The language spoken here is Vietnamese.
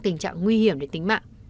trong tình trạng nguy hiểm đến tính mạng